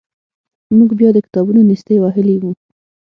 موږ بیا د کتابونو نیستۍ وهلي وو.